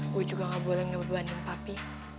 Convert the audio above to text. gue juga nggak boleh ngeberbanding papi